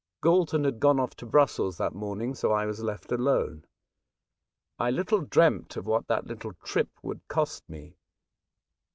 Galton had gone off to Brussels that morning, so I was left alone. Besieged in Paris, 9 I little dreamt of what that little trip would cost me.